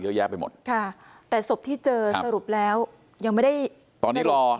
เยอะแยะไปหมดค่ะแต่ศพที่เจอสรุปแล้วยังไม่ได้ตอนนี้รอ